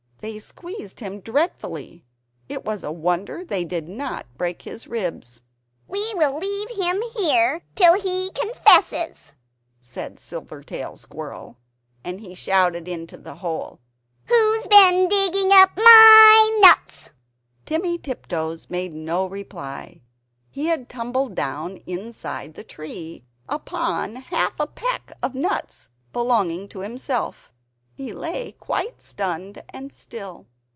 They squeezed him dreadfully, it was a wonder they did not break his ribs. "We will leave him here till he confesses," said Silvertail Squirrel and he shouted into the hole "Who's been digging up MY nuts?" Timmy Tiptoes made no reply; he had tumbled down inside the tree, upon half a peck of nuts belonging to himself. He lay quite stunned and still.